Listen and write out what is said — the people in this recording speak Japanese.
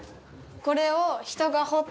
これを？